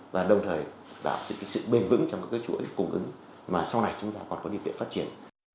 và đồng thời đảm bảo sự bền vững trong các chuỗi cung ứng mà sau này chúng ta còn có địa điểm phát triển